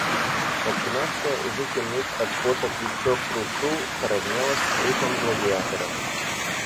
Начинавшее уже темнеть от пота плечо Фру-Фру поравнялось с крупом Гладиатора.